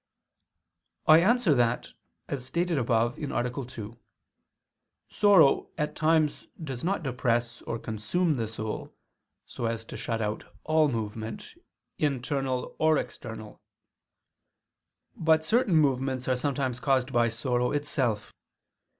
I answer that, As stated above (A. 2), sorrow at times does not depress or consume the soul, so as to shut out all movement, internal or external; but certain movements are sometimes caused by sorrow itself.